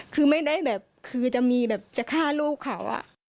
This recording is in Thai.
คือไม่ได้แบบคือจะมีแบบจะฆ่าลูกเขา